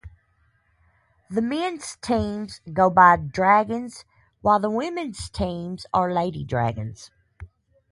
The men's teams go by "Dragons" while the women's teams are "Lady Dragons.